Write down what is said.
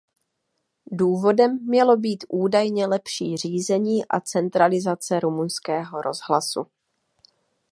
Důvodem mělo být údajně lepší řízení a centralizace rumunského rozhlasu.